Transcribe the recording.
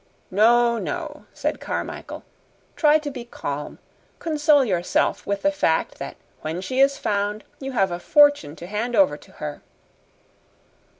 "No, no," said Carmichael. "Try to be calm. Console yourself with the fact that when she is found you have a fortune to hand over to her."